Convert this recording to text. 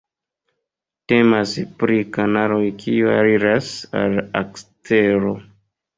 Temas pri kanaloj kiuj aliras al la ekstero.